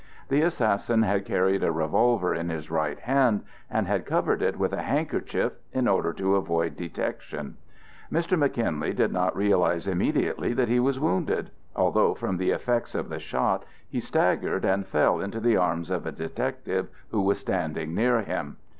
The assassin had carried a revolver in his right hand and had covered it with a handkerchief in order to avoid detection. Mr. McKinley did not realize immediately that he was wounded, although from the effects of the shot he staggered and fell into the arms of a detective who was standing near him.